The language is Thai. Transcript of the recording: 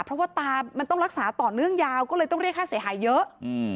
เพราะว่าตามันต้องรักษาต่อเนื่องยาวก็เลยต้องเรียกค่าเสียหายเยอะ